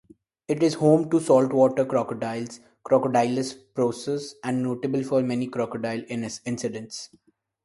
It is home to saltwater crocodiles ("Crocodylus porosus") and notable for many crocodile incidents.